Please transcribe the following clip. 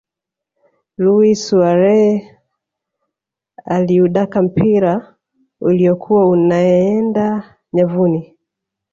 luis suarez aliudaka mpira uliyokuwa unaeenda nyavuni